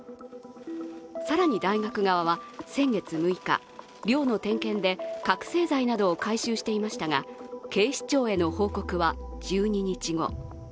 更に大学側は先月６日、寮の点検で覚醒剤などを回収していましたが、警視庁への報告は１２日後。